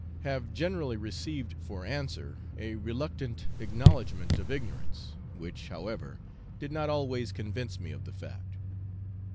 have generally received for answer a reluctant acknowledgement of ignorance, which, however, did not always convince me of the fact.